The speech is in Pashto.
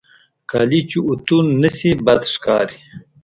کالي چې اوتو نهشي، بد ښکاري.